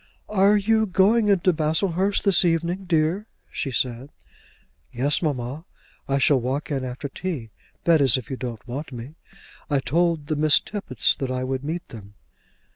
"Are you going into Baslehurst this evening, dear?" she said. "Yes, mamma; I shall walk in after tea; that is if you don't want me. I told the Miss Tappitts I would meet them."